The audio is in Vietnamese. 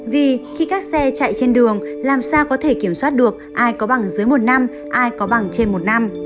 vì khi các xe chạy trên đường làm sao có thể kiểm soát được ai có bằng dưới một năm ai có bằng trên một năm